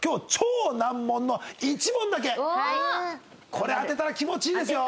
これ当てたら気持ちいいですよ。